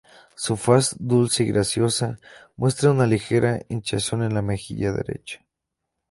Su faz, dulce y graciosa, muestra una ligera hinchazón en la mejilla derecha.